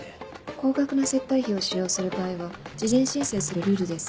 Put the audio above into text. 高額な接待費を使用する場合は事前申請するルールです。